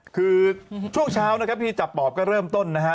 คือช่วงเช้านะครับที่จับปอบก็เริ่มต้นนะฮะ